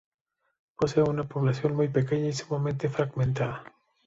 Posee una población muy pequeña y sumamente fragmentada.